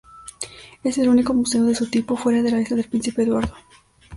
Es el único museo de su tipo fuera de la Isla del Príncipe Eduardo.